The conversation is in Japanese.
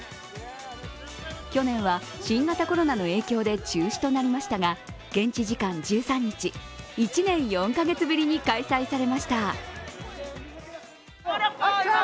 去年は新型コロナの影響で中止となりましたが現地時間１３日、１年４カ月ぶりに開催されました。